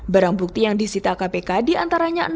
barang bukti yang disita kpk diantaranya